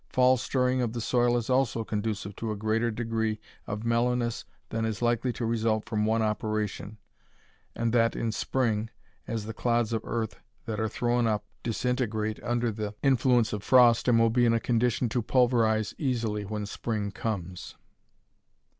Fall stirring of the soil is also conducive to a greater degree of mellowness than is likely to result from one operation, and that in spring, as the clods of earth that are thrown up disintegrate under the influence of frost and will be in a condition to pulverize easily when spring comes.